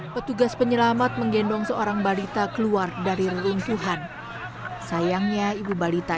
petugas penyelamat menggendong seorang balita keluar dari reruntuhan sayangnya ibu balita